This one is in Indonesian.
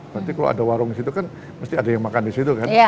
nanti kalau ada warung di situ kan mesti ada yang makan di situ kan